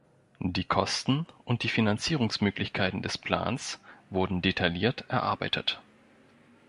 Die Kosten und die Finanzierungsmöglichkeiten des Plans wurden detailliert erarbeitet.